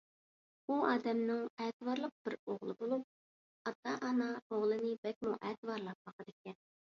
ئۇ ئادەمنىڭ ئەتىۋارلىق بىر ئوغلى بولۇپ، ئاتا - ئانا ئوغلىنى بەكمۇ ئەتىۋارلاپ باقىدىكەن.